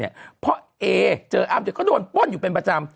เนี่ยเพราะแอเจออ้ามเด็กก็โดนป้นอยู่เป็นประจำ